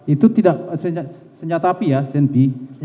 itu tidak senjata api ya senpi